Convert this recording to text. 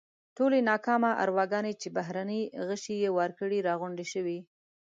ټولې ناکامه ارواګانې چې بهرني غشي یې وار کړي راغونډې شوې.